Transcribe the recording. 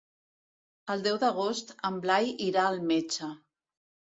El deu d'agost en Blai irà al metge.